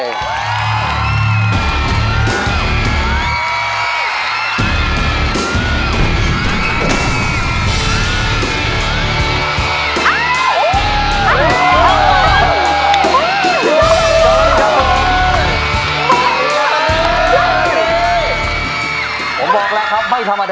สุขทุกแล้วนะ